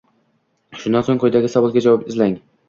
Shundan so‘ng quyidagi savolga javob izlang.